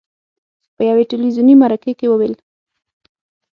په یوې تلویزوني مرکې کې وویل: